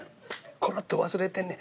「コロッと忘れてんねん。